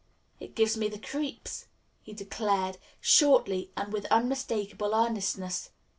"It gives me the creeps," he declared shortly and with unmistakable earnestness.